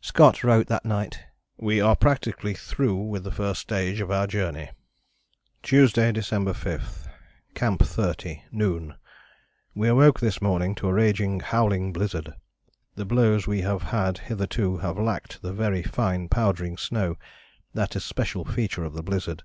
Scott wrote that night: "We are practically through with the first stage of our journey." "Tuesday, December 5. Camp 30. Noon. We awoke this morning to a raging howling blizzard. The blows we have had hitherto have lacked the very fine powdering snow, that especial feature of the blizzard.